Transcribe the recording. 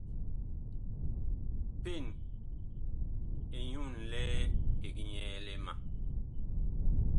Peen ɛ nyu ŋlɛɛ eg nyɛɛle ma.